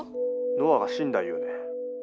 ノアが死んだ言うねん。